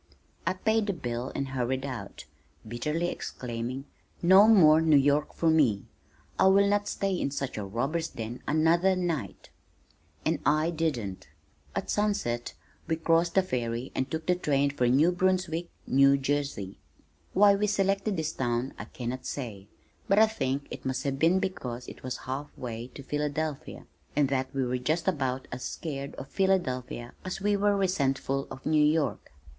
I paid the bill and hurried out, bitterly exclaiming, "No more New York for me. I will not stay in such a robbers' den another night." And I didn't. At sunset we crossed the ferry and took the train for New Brunswick, New Jersey. Why we selected this town I cannot say, but I think it must have been because it was half way to Philadelphia and that we were just about as scared of Philadelphia as we were resentful of New York.